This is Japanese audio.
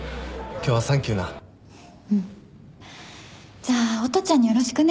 じゃあ音ちゃんによろしくね。